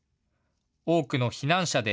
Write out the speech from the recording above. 多くの避難者で